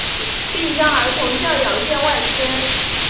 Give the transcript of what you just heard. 并将儿童教养院外迁。